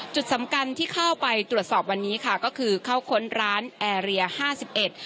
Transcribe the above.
จุดสำคัญที่เข้าไปตรวจสอบวันนี้ค่ะก็คือเข้าค้นร้านแอร์เรียห้าสิบเอ็ด